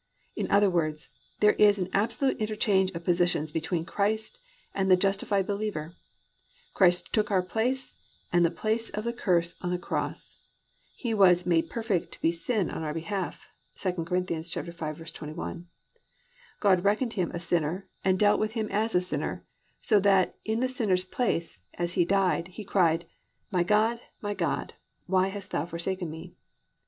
In other words, there is an absolute interchange of positions between Christ and the justified believer. Christ took our place, the place of the curse on the cross (Gal. 3:13). He was "made to be sin on our behalf" (2 Cor. 5:21). God reckoned Him a sinner and dealt with Him as a sinner, so that in the sinner's place, as He died, He cried, +"My God, my God, why hast thou forsaken me?"